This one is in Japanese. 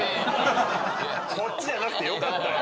こっちじゃなくてよかったよ！